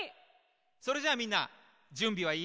それじゃあみんなじゅんびはいい？